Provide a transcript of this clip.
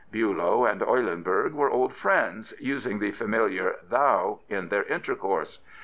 Biilow and Eulenburg were old friends, using the familiar " thou " in their intercourse.